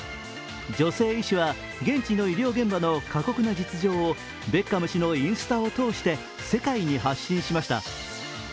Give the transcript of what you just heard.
女性医師は、現地の医療現場の過酷な実情をベッカム氏のインスタを通して世界に発信しました。